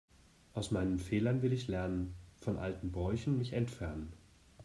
Aus meinen Fehlern will ich lernen, von alten Bräuchen mich entfernen.